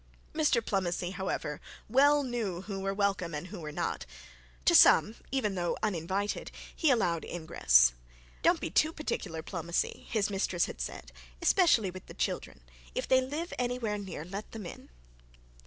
Mr Plomacy, however, well knew who were welcome and who were not. To some, even though uninvited, he allowed ingress. 'Don't be too particular, Plomacy,' his mistress had said; 'especially with the children. If they live anywhere near, let them in.'